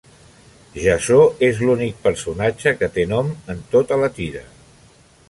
Jasso és l'únic personatge que té nom en tota la tira.